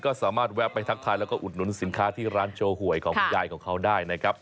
ก็สามารถแวะไปทักทายแล้วก็อุดหนุนสินค้าที่ร้านโชว์หวยของคุณยายของเขาได้นะครับ